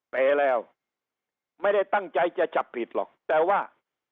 เป๋แล้วไม่ได้ตั้งใจจะจับผิดหรอกแต่ว่า